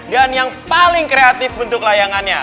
dan yang paling kreatif bentuk layangannya